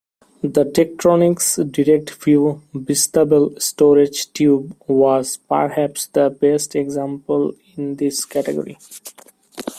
The Tektronix Direct-View Bistable Storage Tube was perhaps the best example in this category.